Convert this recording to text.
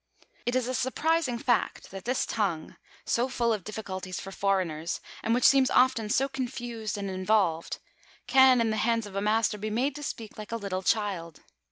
It is a surprising fact that this tongue, so full of difficulties for foreigners, and which seems often so confused and involved, can, in the hands of a master, be made to speak like a little child.